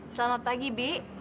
selamat pagi bi